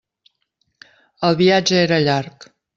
El viatge era llarg.